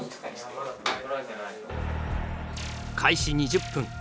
開始２０分